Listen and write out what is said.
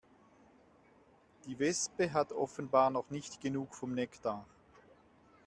Die Wespe hat offenbar noch nicht genug vom Nektar.